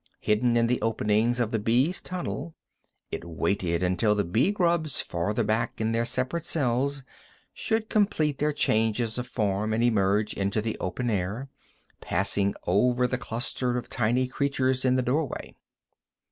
Hidden in the openings of the bee's tunnel, it waited until the bee grubs farther back in their separate cells should complete their changes of form and emerge into the open air, passing over the cluster of tiny creatures at the doorway.